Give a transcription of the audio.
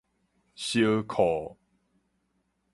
燒褲